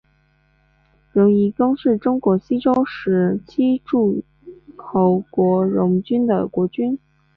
荣夷公是中国西周时期诸侯国荣国的国君。